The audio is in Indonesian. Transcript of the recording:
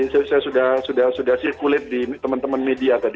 saya sudah circulate di teman teman media tadi